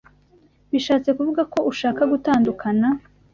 Bishatse kuvuga ko ushaka gutandukana?